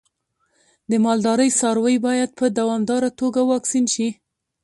د مالدارۍ څاروی باید په دوامداره توګه واکسین شي.